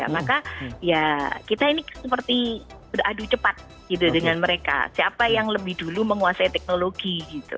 maka ya kita ini seperti beradu cepat gitu dengan mereka siapa yang lebih dulu menguasai teknologi gitu